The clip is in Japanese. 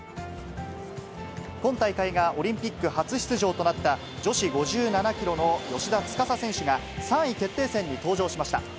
今大会がオリンピック初出場となった、女子５７キロの芳田司選手が３位決定戦に登場しました。